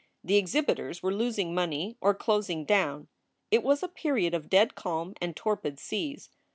The exhibitors were losing money or closing down. It was a period of dead calm and torpid seas.